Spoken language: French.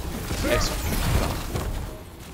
Elles sont pupipares.